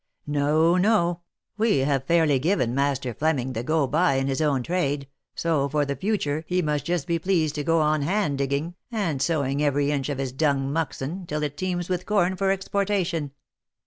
No, no, we have fairly given Master Fleming the go by in his own trade, so for the future he must just be pleased to go on hand digging, and sewing every inch of his dung muxen, till it teems with corn for export ation.